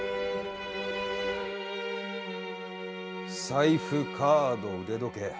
財布カード腕時計。